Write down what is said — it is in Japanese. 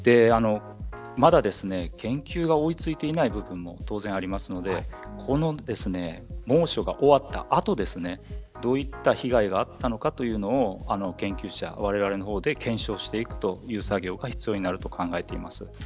まだ研究が追いついていない部分もあると思いますのでこの猛暑が終わった後どういった被害があったのかというのは研究者われわれの方で検証していくという作業が必要になると考えています。